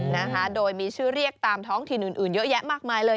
โอ้โฮโดยมีชื่อเรียกตามท้องทินอื่นเยอะแยะมากมายเลย